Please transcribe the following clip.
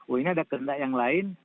oh ini ada kehendak yang lain